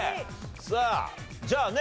さあじゃあね